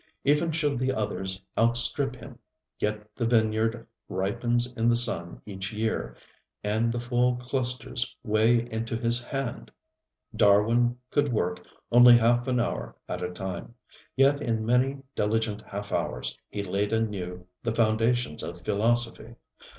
Even should the others outstrip him, yet the vineyard ripens in the sun each year, and the full clusters weigh into his hand. Darwin could work only half an hour at a time; yet in many diligent half hours he laid anew the foundations of philosophy.